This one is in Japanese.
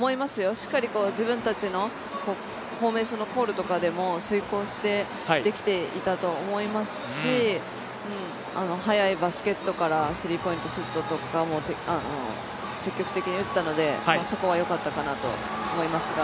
しっかり自分たちのフォーメーションを遂行してできていたと思いますし速いバスケットからスリーポイントシュートとか積極的に打ったので、そこはよかったかなと思いますが。